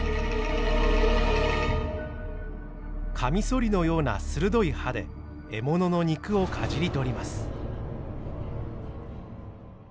カミソリのような鋭い歯で獲物の肉をかじり取ります。